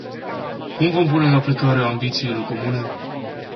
Cum vom pune în aplicare ambițiile comune?